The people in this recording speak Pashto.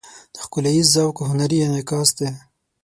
د ښکلاییز ذوق هنري انعکاس دی.